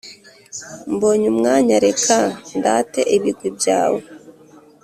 mbonye umwanya reka ndate ibigwi byawe ,